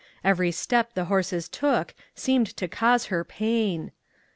Every step the horses took seemed to cause her pain.